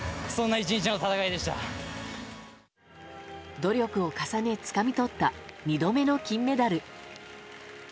努力を重ねつかみ取った２度目の金メダル。